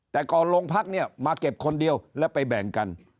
แต่ก่อนโรงพักเนี่ยมาเก็บคนเดียวแล้วไปแบ่งกัน